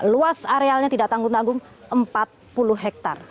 luas arealnya tidak tanggung tanggung empat puluh hektare